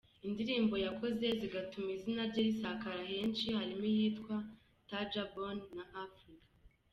Indirimbo yakoze zigatuma izina rye risakara henshi, harimo iyitwa ‘Tajabone’ na ‘Africa’.